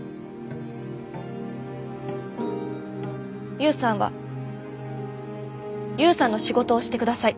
勇さんは勇さんの仕事をして下さい。